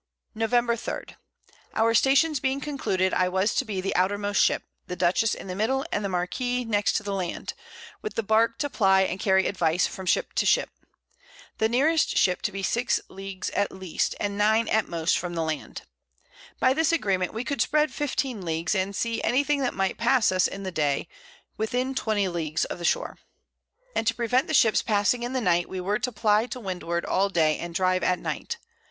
[Sidenote: Cruising off Cape St. Lucas.] Nov. 3. Our Stations being concluded, I was to be the outermost Ship, the Dutchess in the middle, and the Marquiss next the Land; with the Bark to ply and carry Advice from Ship to Ship: The nearest Ship to be 6 Leagues at least, and 9 at most from the Land: By this Agreement, we could spread 15 Leagues, and see any thing that might pass us in the Day, within 20 Leagues of the Shore. And to prevent the Ships passing in the Night, we were to ply to Windward all Day, and drive at Night.